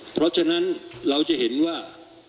เพราะฉะนั้นเราจะเห็นว่า